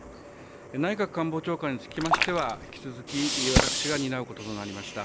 内閣官房長官につきましては引き続き私が担うこととなりました。